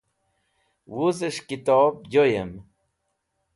Wuzes̃h Kitob Joyem